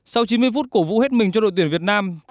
sau chín mươi phút cổ vũ hết mình cho đội tuyển việt nam